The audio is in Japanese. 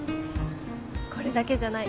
これだけじゃない。